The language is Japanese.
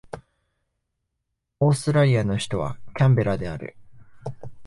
オーストラリアの首都はキャンベラである